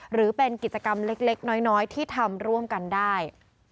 หรือเป็นกิจกรรมเล็กน้อยที่ทำร่วมกันได้